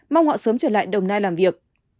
mong họ sớm trở lại đồng nai làm việc